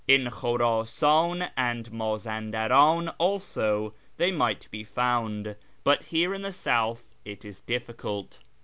In Khurasan and Mazandaran, also, they might be found, but here in the South it is difficult."